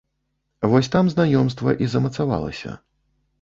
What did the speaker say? Вось там знаёмства і замацавалася.